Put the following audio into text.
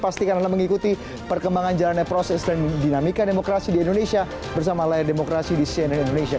pastikan anda mengikuti perkembangan jalannya proses dan dinamika demokrasi di indonesia bersama layar demokrasi di cnn indonesia